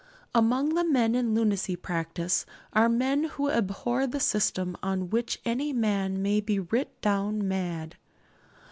Among the men in lunacy practice are men who abhor the system on which any man may be writ down mad.